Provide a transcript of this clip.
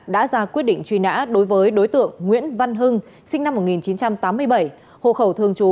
đã ra quyết định truy nã đối với đối tượng nguyễn văn hưng sinh năm một nghìn chín trăm tám mươi bảy hộ khẩu thường trú